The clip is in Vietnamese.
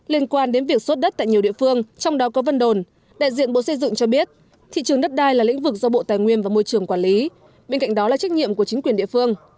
liên quan đến việc xuất đất tại nhiều địa phương trong đó có vân đồn đại diện bộ xây dựng cho biết thị trường đất đai là lĩnh vực do bộ tài nguyên và môi trường quản lý bên cạnh đó là trách nhiệm của chính quyền địa phương